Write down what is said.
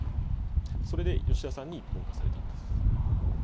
それで吉田さんに一本化されたんです。